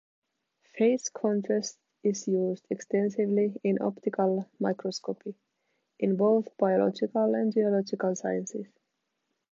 Phase contrast is used extensively in optical microscopy, in both biological and geological sciences.